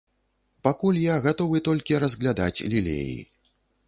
Пакуль я гатовы толькі разглядаць лілеі.